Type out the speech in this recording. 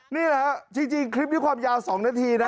นี่แหละจริงคลิปนี้ความยาว๒นาทีนะ